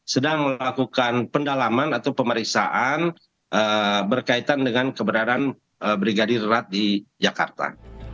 sedang melakukan pendalaman atau pemeriksaan berkaitan dengan keberadaan brigadir rat di jakarta